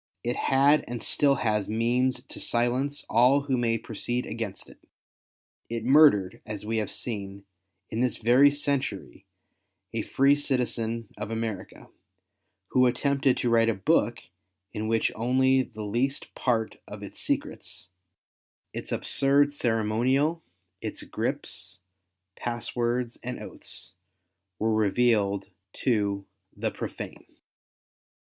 It had and still has means to silence all who may proceed against it. It murdered, as we have seen, in this very century, a free citizen of America, who attempted to write a book in which only the least part of its secrets — its absurd ceremonial, its grips, pass words and oaths, were revealed to •■' the profane."